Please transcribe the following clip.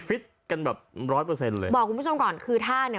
ฟิตกันแบบร้อยเปอร์เซ็นต์เลยบอกคุณผู้ชมก่อนคือถ้าเนี่ย